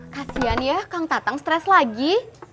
kasian ya kang tatang stres lagi